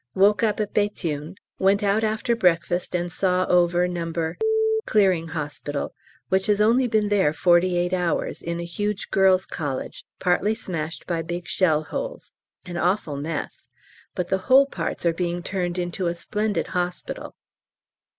Woke up at Béthune. Went out after breakfast and saw over No. Cl. H., which has only been there 48 hours, in a huge Girls' College, partly smashed by big shell holes, an awful mess, but the whole parts are being turned into a splendid hospital.